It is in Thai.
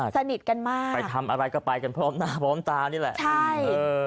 สนิทมากไปทำอะไรก็ไปกันพร้อมหน้าพร้อมตานี่แหละสนิทมากสนิทกันมาก